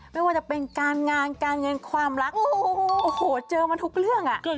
ไม่ว่าจะเป็นการงานการเงินความรักโอ้โหเจอมาทุกเรื่อง